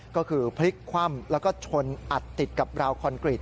ก็คือพลิกคว่ำแล้วก็ชนอัดติดกับราวคอนกรีต